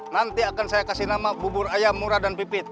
nanti akan saya kasih nama bubur ayam murah dan pipit